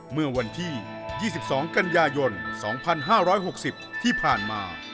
เมื่อวันที่๒๒กันยายน๒๕๖๐ที่ผ่านมา